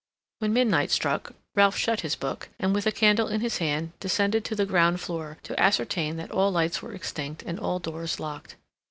When midnight struck, Ralph shut his book, and with a candle in his hand, descended to the ground floor, to ascertain that all lights were extinct and all doors locked.